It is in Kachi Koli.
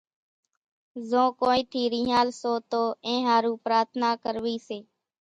زو ڪونئين ٿي رينۿال سو تو اين ۿارُو پرارٿنا ڪروي سي